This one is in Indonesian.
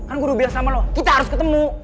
kan gue udah bilang sama lo kita harus ketemu